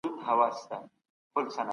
د بیان ازادي ټولنه پرمخ وړي.